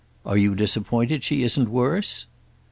"Are you disappointed she isn't worse?"